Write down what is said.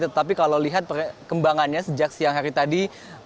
tetapi kalau lihat perkembangannya sejak siang hari tadi